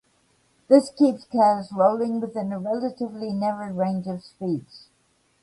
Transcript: This keeps cars rolling within a relatively narrow range of speeds.